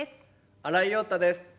新井庸太です。